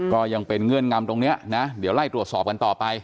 ก็ยังเป็นเงื่อนงำตรงนี้นะเดี๋ยวไล่ตรวจสอบกันต่อไป